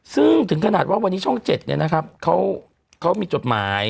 ซึ่งถึงขนาดว่าวันนี้ช่อง๗เขามีจดหมาย